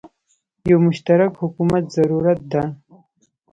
یو مشترک حکومت زوروت ده